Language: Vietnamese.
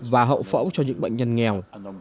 và hậu phẫu cho những bệnh nhân nghèo